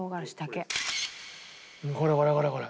これこれこれこれ！